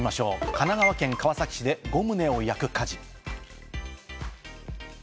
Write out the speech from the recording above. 神奈川県川崎市で５棟を焼く火事。